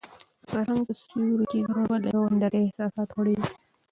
د فرهنګ په سیوري کې د ورورولۍ او همدردۍ احساسات غوړېږي.